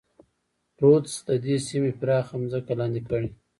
رودز د دې سیمې پراخه ځمکې لاندې کړې.